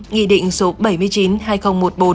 nghị định số bảy mươi chín hai nghìn một mươi bốn